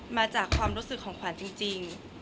มาจากความรู้สึกของขวัญจริง